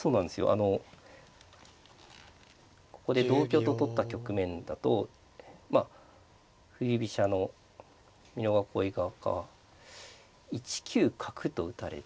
あのここで同香と取った局面だと振り飛車の美濃囲い側１九角と打たれて。